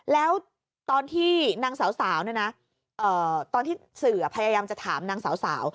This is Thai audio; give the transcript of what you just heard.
แล้วตอนที่นางสาวตอนที่สื่อพยายามจะถามนางสาว